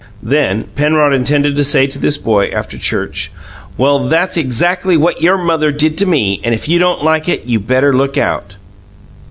Then Penrod intended to say to this boy, after church, "Well, that's exackly what your mother did to me, and if you don't like it, you better look out!"